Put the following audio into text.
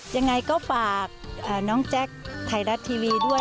ยังไงก็ฝากน้องแจ็คไทยรัฐทีวีด้วย